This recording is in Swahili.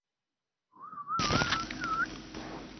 ikiendelea kuweka ngumu kufanya mazungumzo na serikali